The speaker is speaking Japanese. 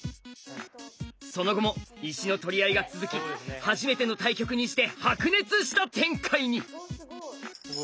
その後も石の取り合いが続き初めての対局にして白熱した展開に！